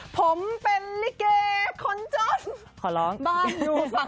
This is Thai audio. ผมเป็นริเกคนนอะตอบ